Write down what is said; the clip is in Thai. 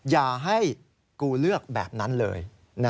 อย่าให้กูเลือกแบบนั้นเลย